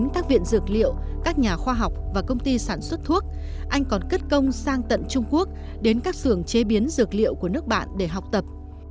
các nhà khoa học và công ty sản xuất thuốc anh còn kết công sang tận trung quốc đến các xưởng chế biến dược liệu của nước bạn để học tập